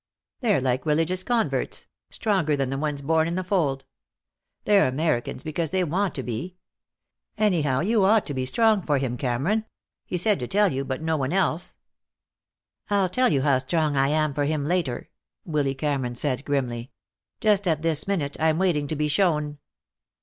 They're like religious converts, stronger than the ones born in the fold. They're Americans because they want to be. Anyhow, you ought to be strong for him, Cameron. He said to tell you, but no one else." "I'll tell you how strong I am for him later," Willy Cameron said, grimly. "Just at this minute I'm waiting to be shown."